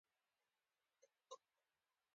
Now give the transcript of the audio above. د دلارام لاره مهمه ده